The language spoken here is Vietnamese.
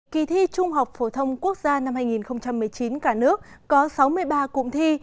kỳ thi trung học phổ thông quốc gia năm hai nghìn một mươi chín cả nước có sáu mươi ba cụm thi